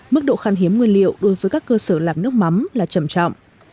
nguyên liệu đối với các cơ sở làm nước mắm là trầm trọng